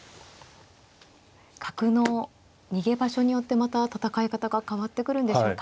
角の逃げ場所によってまた戦い方が変わってくるんでしょうか。